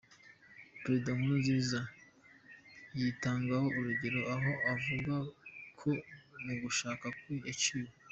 Perezida Nkurunziza yitangaho urugero aho avuga ko mu gushaka kwe, yaciwe.